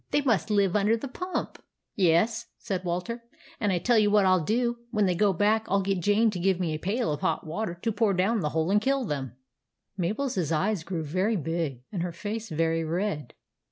"They must live under the pump." " Yes," said Walter, " and I tell you what I '11 do. When they go back I '11 get Jane to give me a pail of hot water to pour down the hole and kill them." Mabel's eyes grew very big and her face very red.